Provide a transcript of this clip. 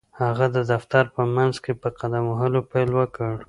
هغه د دفتر په منځ کې په قدم وهلو پيل وکړ.